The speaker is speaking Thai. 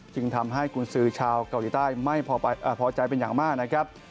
จึงทำให้กุญสือชาวเกาหลีใต้ไม่พอใจเป็นอย่างมากนะครับ